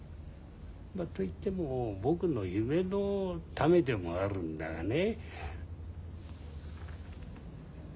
と言っても僕の夢のためでもあるんだがね。